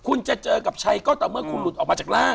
คุณจะเจอกับใครก็ต่อเมื่อคุณหลุดออกมาจากร่าง